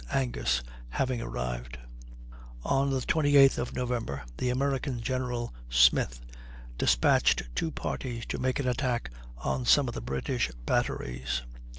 Angus having arrived. On the 28th of November, the American general, Smith, despatched two parties to make an attack on some of the British batteries.